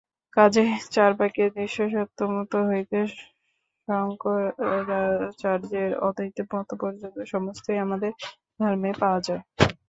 কাজেই চার্বাকের দৃশ্যসত্য মত হইতে শঙ্করাচার্যের অদ্বৈত মত পর্যন্ত সমস্তই আমাদের ধর্মে পাওয়া যায়।